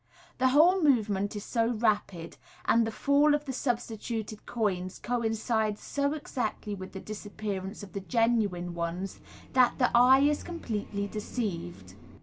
The whole movement is so rapid, and the fall of the substituted coins coincides so exactly with the disappearance of the genuine ones, that the eye is completely deceived.